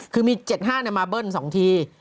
คือมี๗๕มาเบิ้ล๒ที